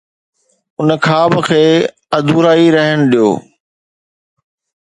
ان خواب کي ادھورا ئي رهڻ ڏيو.